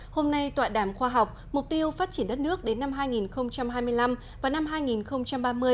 hôm nay tọa đảm khoa học mục tiêu phát triển đất nước đến năm hai nghìn hai mươi năm và năm hai nghìn ba mươi